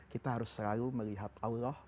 kita harus selalu melihat allah